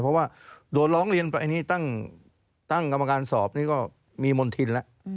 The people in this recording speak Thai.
เพราะว่าโดนร้องเรียนไปอันนี้ตั้งกรรมการสอบนี่ก็มีมณฑินแล้ว